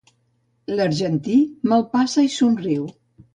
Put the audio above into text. L'argentí me'l passa i somriu.